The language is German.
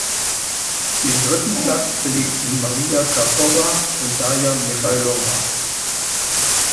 Den dritten Platz belegten Marija Karpowa und Darja Michailowa.